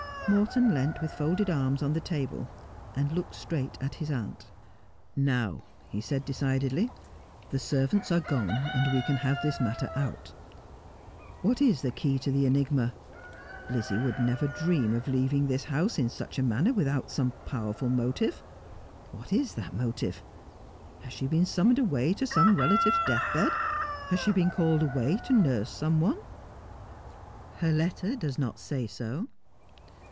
Morton leant with folded arms on the table, and looked straight across at his aunt. ' Now,' he said decidedly, ' the servants are gone, and we can have this matter out. What is the key to the enigma ? Lizzie would never dream of leaving this house in such a manner with out some powerful motive. What is that motive 1 Has she been summoned to some relative's death bed 1 Has she been called away to nurse some one ?'' Her letter does not say so.'